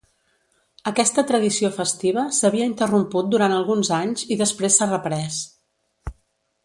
Aquesta tradició festiva s'havia interromput durant alguns anys, i després s'ha reprès.